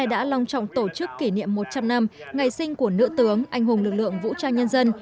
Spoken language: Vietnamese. đã long trọng tổ chức kỷ niệm một trăm linh năm ngày sinh của nữ tướng anh hùng lực lượng vũ trang nhân dân